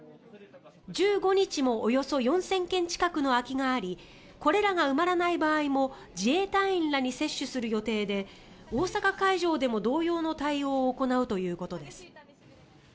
１５日もおよそ４０００件近くの空きがありこれらが埋まらない場合も自衛隊員に接種する予定で大阪会場でも同様の対応を行うということです。